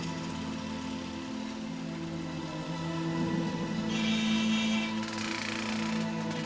yang bener lho